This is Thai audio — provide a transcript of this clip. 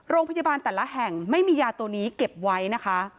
โรงพยาบาลแต่ละแห่งไม่มียาตัวนี้เก็บไว้นะคะ